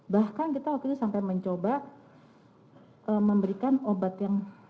bahkan kita waktu itu sampai mencoba memberikan obat yang